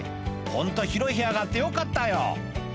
「ホント広い部屋があってよかったよ」